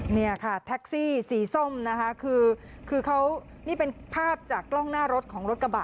เนี่ยค่ะแท็กซี่สีส้มนะคะคือเขานี่เป็นภาพจากกล้องหน้ารถของรถกระบะ